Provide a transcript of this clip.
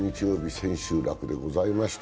千秋楽でございました。